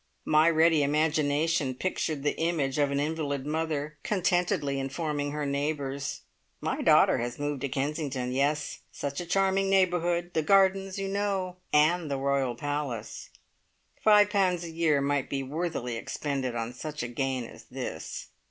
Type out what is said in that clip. My ready imagination pictured the image of an invalid mother contentedly informing her neighbours: "My daughter has moved to Kensington. Yes! Such a charming neighbourhood. The gardens, you know. And the royal palace!" Five pounds a year might be worthily expended on such a gain as this!